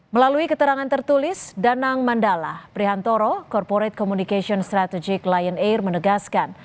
melalui keterangan tertulis danang mandala prihantoro corporate communication strategic lion air menegaskan